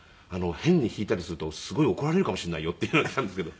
「変に弾いたりするとすごい怒られるかもしれないよ」っていうのが来たんですけど。